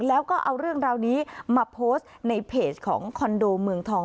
แล้วก็เอาเรื่องราวนี้มาโพสต์ในเพจของคอนโดเมืองทอง